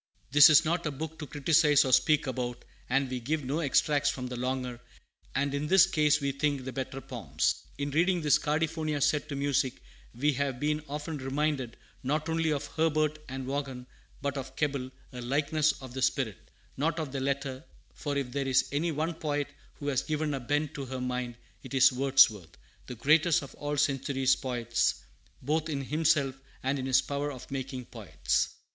"This is not a book to criticise or speak about, and we give no extracts from the longer, and in this case, we think, the better poems. In reading this Cardiphonia set to music, we have been often reminded, not only of Herbert and Vaughan, but of Keble, a likeness of the spirit, not of the letter; for if there is any one poet who has given a bent to her mind, it is Wordsworth, the greatest of all our century's poets, both in himself and in his power of making poets."